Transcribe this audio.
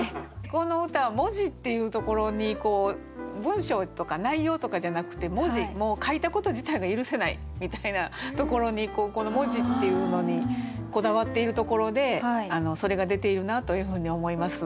この歌は「文字」っていうところに文章とか内容とかじゃなくて文字もう書いたこと自体が許せない！みたいなところにこの文字っていうのにこだわっているところでそれが出ているなというふうに思います。